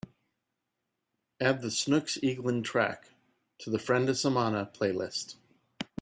Add the snooks eaglin track to the friendesemana playlist.